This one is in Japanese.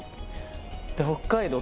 で北海道？